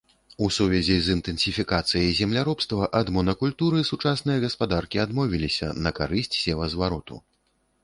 У сувязі з інтэнсіфікацыяй земляробства ад монакультуры сучасныя гаспадаркі адмовіліся на карысць севазвароту.